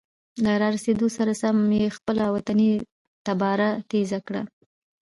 له را رسیدو سره سم یې خپله وطني تباره تیزه کړه.